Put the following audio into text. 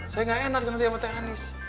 saya gak enak nanti sama teh anies